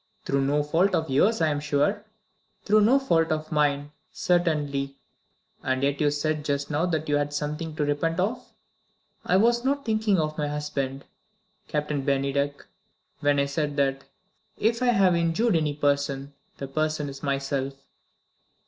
"Through no fault of yours, I am sure?" "Through no fault of mine, certainly." "And yet you said just now that you had something to repent of?" "I was not thinking of my husband, Captain Bennydeck, when I said that. If I have injured any person, the person is myself."